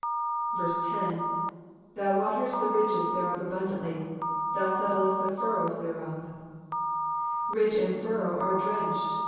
'* 10. ^^Thou water est the ridges thereof abundantly: thou settlest the furrows thereof'' Ridge and furrow are drenched.